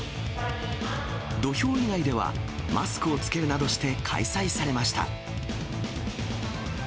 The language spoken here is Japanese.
土俵以外では、マスクを着けるなどして開催されました。